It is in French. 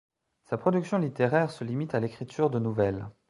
Sa production littéraire se limite à l'écriture de nouvelles.